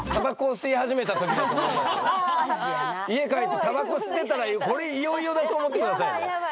それは家帰ってタバコ吸ってたらこれいよいよだと思って下さいね。